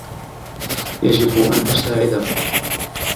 يجب أن أساعدةُ.